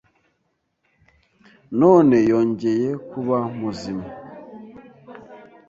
none yongeye kuba muzima,